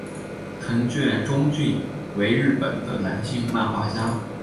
藤卷忠俊为日本的男性漫画家。